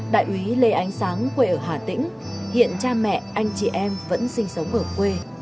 đại úy lê ánh sáng quê ở hà tĩnh hiện cha mẹ anh chị em vẫn sinh sống ở quê